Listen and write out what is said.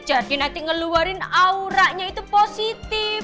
jadi nanti ngeluarin auranya itu positif